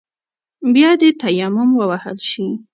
بيا دې تيمم ووهل شي.